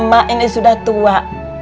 emak ini sudah tua